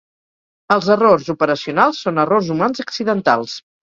Els errors operacionals són errors humans accidentals.